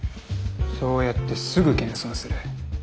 そうやってすぐ謙遜する。